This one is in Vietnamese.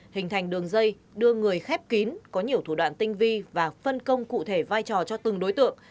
hình thành đường dây đưa người khép kín có nhiều thủ đoạn tinh vi và phân công cụ thể vai trò cho từng đối tượng